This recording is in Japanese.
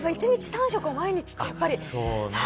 １日３食、毎日ってやっぱり。